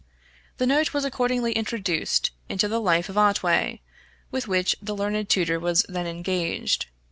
The note was accordingly introduced into the life of Otway, with which the learned tutor was then engaged.